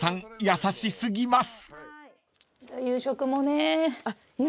優し過ぎます］